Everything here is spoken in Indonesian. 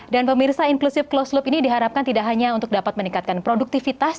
dan pemirsa inklusif closed loop ini diharapkan tidak hanya untuk dapat meningkatkan produktivitas